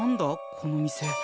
この店。